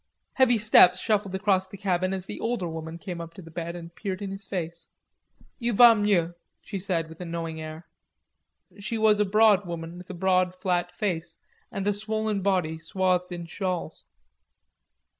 Heavy steps shuffled across the cabin as the older woman came up to the bed and peered in his face. "Il va mieux," she said, with a knowing air. She was a broad woman with a broad flat face and a swollen body swathed in shawls.